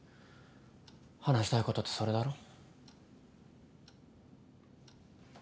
話したいことってそれだろ？